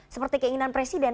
seperti keinginan presiden